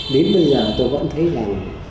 đến bây giờ tôi vẫn thấy là